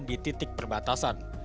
di titik perbatasan